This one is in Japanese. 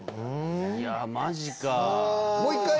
いやマジか。